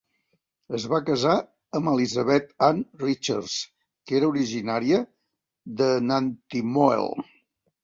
Es va casar amb Elizabeth Ann Richards, que era originària de Nantymoel.